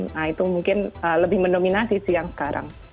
nah itu mungkin lebih mendominasi sih yang sekarang